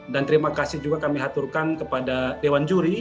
dan terima kasih juga kami haturkan kepada dewan juri